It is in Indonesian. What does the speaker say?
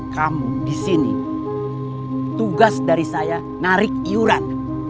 kamu di sini tugas dari saya narik iuran